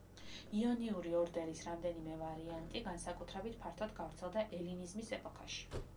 იონიური ორდერის რამდენიმე ვარიანტი განსაკუთრებით ფართოდ გავრცელდა ელინიზმის ეპოქაში.